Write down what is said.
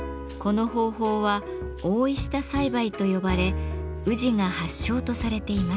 この方法は「覆下栽培」と呼ばれ宇治が発祥とされています。